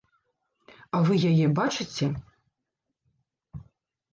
А вы яе бачыце?